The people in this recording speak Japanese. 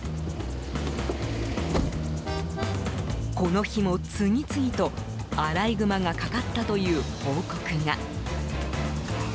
この日も次々と、アライグマがかかったという報告が。